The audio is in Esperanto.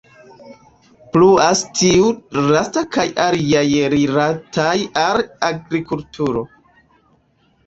Pluas tiu lasta kaj aliaj rilataj al agrikulturo.